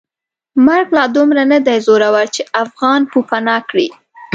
مرګ لا دومره ندی زورور چې افغان پوپناه کړي.